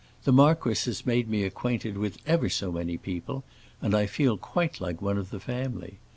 The marquis has made me acquainted with ever so many people, and I feel quite like one of the family.